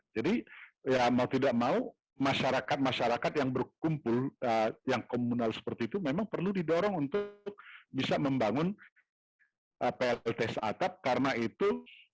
jadi mau tidak mau masyarakat masyarakat yang berkumpul yang komunal seperti itu memang perlu didorong untuk bisa membangun plts atap karena itu